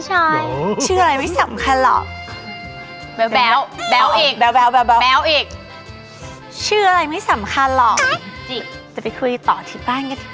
จูบ